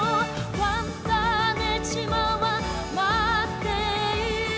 「ファンターネ島は待っている」